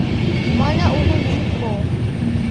Mwana uhu ni mkoo